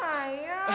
wuih busetnya lu